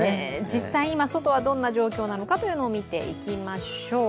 実際、今、外はどんな状況なのかというところを見ていきましょう。